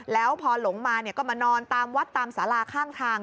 แล้วพอหลงมาก็มานอนตามวัดตามสาราข้างทาง